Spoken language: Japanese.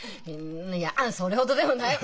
やそれほどでもない。